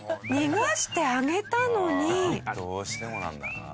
どうしてもなんだな。